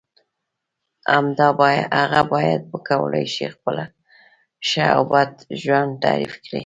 هغه باید وکولای شي خپله ښه او بد ژوند تعریف کړی.